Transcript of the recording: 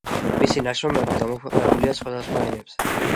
მისი ნაშრომები გამოქვეყნებულია სხვადასხვა ენებზე.